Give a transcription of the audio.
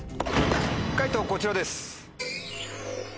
解答こちらです。